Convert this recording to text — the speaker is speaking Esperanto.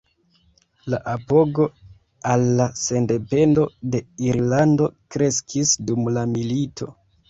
La apogo al la sendependo de Irlando kreskis dum la milito.